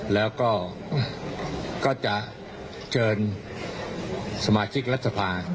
แล้วก็จะเจอสมาชิกรัฐษภาค